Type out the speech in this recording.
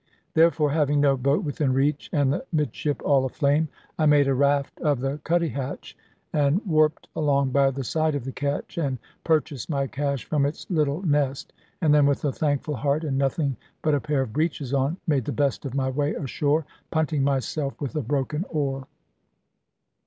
Therefore, having no boat within reach, and the 'midship all aflame, I made a raft of the cuddy hatch, and warped along by the side of the ketch, and purchased my cash from its little nest; and then with a thankful heart, and nothing but a pair of breeches on, made the best of my way ashore, punting myself with a broken oar.